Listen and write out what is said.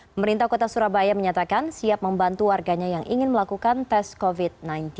pemerintah kota surabaya menyatakan siap membantu warganya yang ingin melakukan tes covid sembilan belas